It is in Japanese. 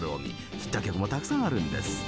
ヒット曲もたくさんあるんです。